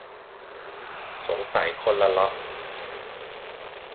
สงสัยคนละล็อต